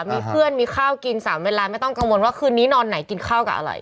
มีเพื่อนมีข้าวกิน๓เวลาไม่ต้องกังวลว่าคืนนี้นอนไหนกินข้าวกับอะไร